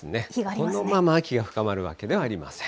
このまま秋が深まるわけではありません。